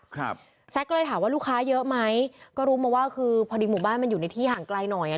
ครับแซ็กก็เลยถามว่าลูกค้าเยอะไหมก็รู้มาว่าคือพอดีหมู่บ้านมันอยู่ในที่ห่างไกลหน่อยอ่ะ